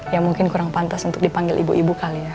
ya mungkin kurang pantas untuk dipanggil ibu ibu kali ya